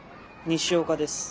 西岡です。